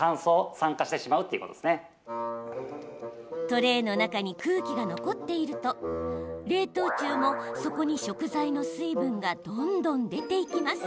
トレーの中に空気が残っていると冷凍中もそこに食材の水分がどんどん出ていきます。